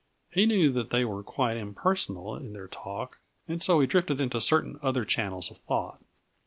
He knew that they were quite impersonal in their talk, and so he drifted into certain other channels of thought.